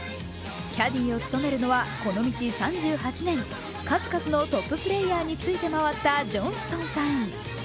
キャディーを務めるのはこの道３８年数々のトッププレーヤーについて回ったジョンストンさん。